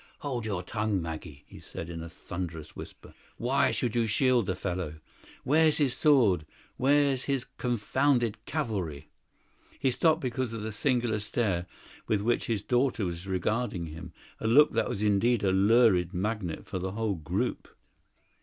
"Hold your tongue, Maggie," he said in a thunderous whisper. "Why should you shield the fellow? Where's his sword? Where's his confounded cavalry " He stopped because of the singular stare with which his daughter was regarding him, a look that was indeed a lurid magnet for the whole group.